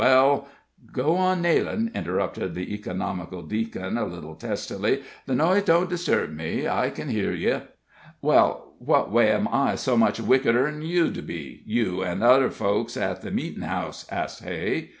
Well " "Go on nailin'," interrupted the economical Deacon, a little testily; "the noise don't disturb me; I can hear ye." "Well, what way am I so much wickeder 'n you be you an' t'other folks at the meetin' house?" asked Hay.